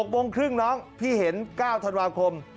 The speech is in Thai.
๖โมงครึ่งน้องพี่เห็น๙ธันวาคม